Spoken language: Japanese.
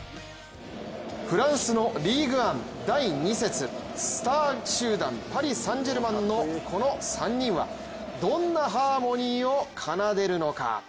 フランスのリーグ・アン第２節、スター集団パリ・サン＝ジェルマンのこの３人はどんなハーモニーを奏でるのか。